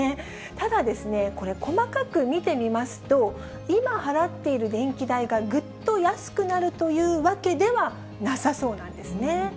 ただですね、これ、細かく見てみますと、今払っている電気代がぐっと安くなるというわけではなさそうなんですね。